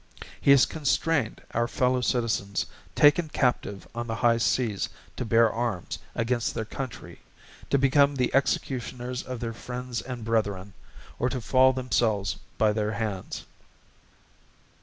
He has constrained our fellow Citizens taken Captive on the high Seas to bear Arms against their Country, to become the executioners of their friends and Brethren, or to fall themselves by their Hands.